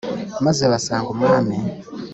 maze basanga umwami